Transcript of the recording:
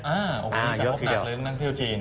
อ้าโอ้โหมีกระทบหนักเลยทั้งท่องเที่ยวจีน